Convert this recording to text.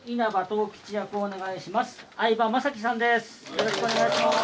よろしくお願いします。